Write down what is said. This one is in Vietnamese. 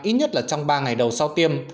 ít nhất trong ba ngày đầu sau tiêm